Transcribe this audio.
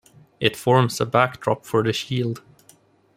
It forms a backdrop for the shield.